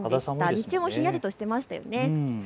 日中もひんやりとしていましたよね。